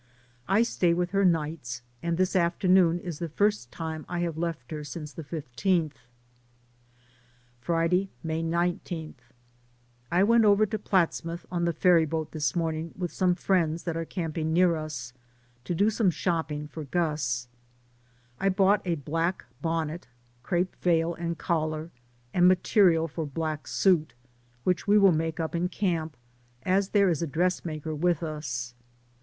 I stay with her nights, and this afternoon is the first time I have left her since the 15th. 56 DAYS ON THE ROAD. Friday, May 19. I went over to Platsmouth on the ferry boat this morning with some friends that are camping near us, to do some shopping for Gus. I bought a black bonnet, crepe veil and collar, and material for black suit, which we will make up in camp, as there is a dress maker with us.